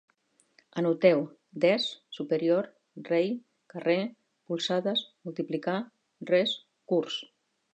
Anoteu: des, superior, rei, carrer, polzades, multiplicar, res, curs